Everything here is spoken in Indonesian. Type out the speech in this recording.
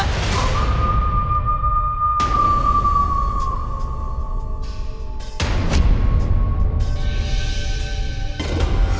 tidak ada yang bisa dipercaya